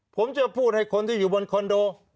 ผมจะพูดให้คนที่อยู่บนคอนโด